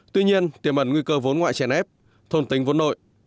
tuy nhiên tiềm ẩn nguy cơ vốn ngoại chè ép thôn tính vốn nội